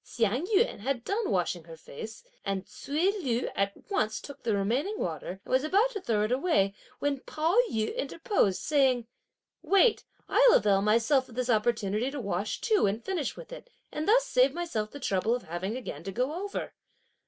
Hsiang yün had done washing her face, and Ts'üi Lü at once took the remaining water and was about to throw it away, when Pao yü interposed, saying: "Wait, I'll avail myself of this opportunity to wash too and finish with it, and thus save myself the trouble of having again to go over!"